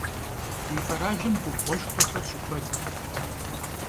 Di kheralım gubğueşşxuexer şıkuedş.